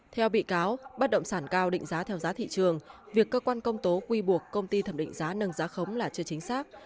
theo bị cáo bất động sản cao định giá theo giá thị trường việc cơ quan công tố quy buộc công ty thẩm định giá nâng giá khống là chưa chính xác